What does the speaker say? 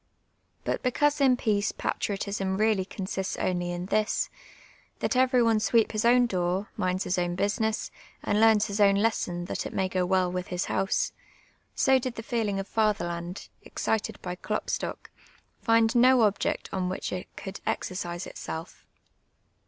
Jlut because in peace j)atriotism really consists only in this, that eveiT one sweeps his own door, minds his own' business, and learns his own lesson, that it may \:,o well with hi.s house, — so did the feeling for fatherland, excited by Klopstock, find no object on which it could exercise itself.